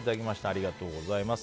ありがとうございます。